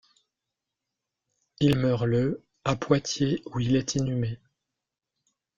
Il meurt le à Poitiers où il est inhumé.